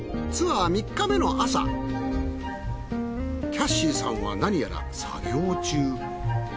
キャシーさんは何やら作業中。